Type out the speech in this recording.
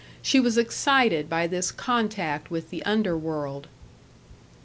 She was excited by this contact with the underworld.